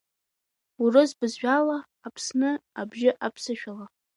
Урыс бызшәала, Аԥсны абжьы аԥсышәала.